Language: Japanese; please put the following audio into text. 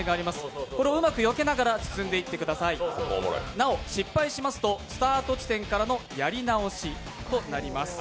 なお、失敗しますとスタート地点からのやり直しとなります。